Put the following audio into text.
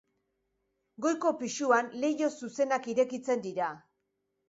Goiko pisuan leiho zuzenak irekitzen dira.